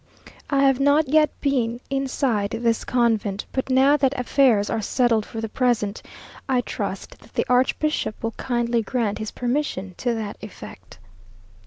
I have not yet been inside this convent, but now that affairs are settled for the present, I trust that the archbishop will kindly grant his permission to that effect.